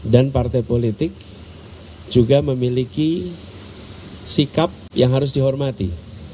dan partai politik juga memiliki sikap yang harus dihormati